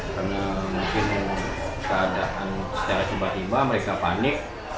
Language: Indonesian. karena mungkin keadaan secara tiba tiba mereka panik